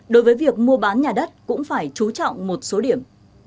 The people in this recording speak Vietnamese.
đối với việc mua bán nhà đất cũng phải trú trọng một số điểm